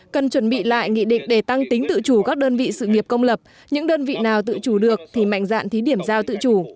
cần chuẩn bị lại nghị định để tăng tính tự chủ các đơn vị sự nghiệp công lập những đơn vị nào tự chủ được thì mạnh dạn thí điểm giao tự chủ